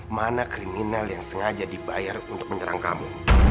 mana kriminal yang sengaja dibayar untuk menyerang kamu